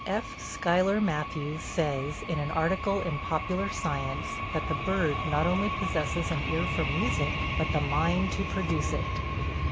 F. Schuyler Mathews says, in an article in Popular Science, that the bird not only possesses an ear for music but the mind to produce it.